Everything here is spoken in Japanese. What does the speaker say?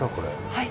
はい。